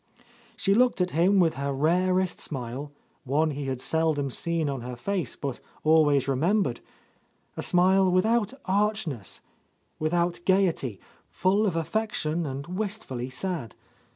She looked at him with her rarest smile, one he had seldom seen on her face, but always remembered, — a smile without archness, without gaiety, full of affection and wistfully sad.